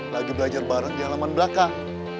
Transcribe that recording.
lagi belajar bareng di halaman belakang